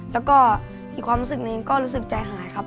แล้วก็อีกความรู้สึกนี้ก็รู้สึกใจหายครับ